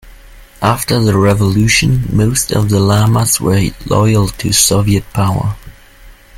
After the Revolution, most of the lamas were loyal to Soviet power.